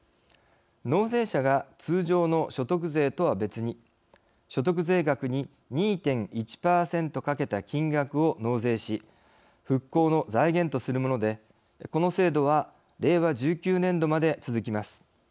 納税者が通常の所得税とは別に所得税額に２．１％かけた金額を納税し復興の財源とするものでこの制度は令和１９年度まで続きます。